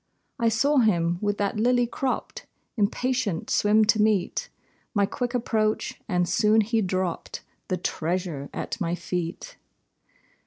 I saw him, with that lily cropped, Impatient swim to meet My quick approach, and soon he dropped The treasure at my feet.